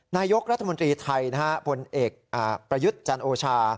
นายกรรภ์รัฐมนตรีไทยผลเอกประยุทธ์จันโอชา